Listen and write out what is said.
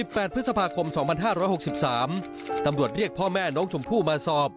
๑๘พฤษภาคม๒๕๖๓ตำรวจเรียกพ่อแม่น้องชมพู่มาสอบ